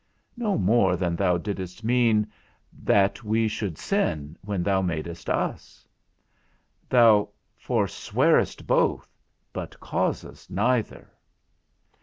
No more than thou didst mean, that we should sin, when thou madest us: thou foresawest both, but causedst neither.